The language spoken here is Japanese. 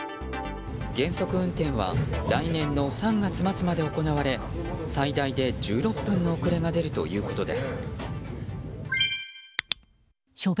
減速運転は来年の３月末まで行われ最大で１６分の遅れが出るということです。